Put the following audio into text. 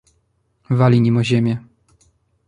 "Wali nim o ziemię."